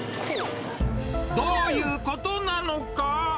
どういうことなのか？